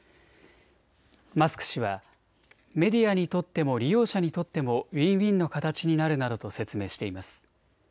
マスク氏はメディアにとっても利用者にとってもウィンウィンの形になるなどと説明しています。